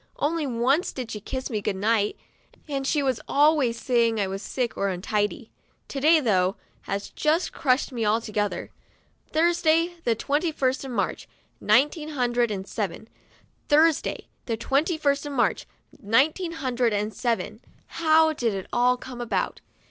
Only once did she kiss me good night, and she was always saying I was sick or untidy. To day, though, has just crushed me altogether. "Thursday, the twenty first of March, nine teen hundred and seven. Thursday, the twenty first of March, nineteen hundred and seven." How did it all come about